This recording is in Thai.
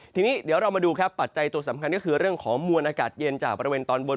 ทีนี้เดี๋ยวเรามาดูครับปัจจัยตัวสำคัญก็คือเรื่องของมวลอากาศเย็นจากบริเวณตอนบน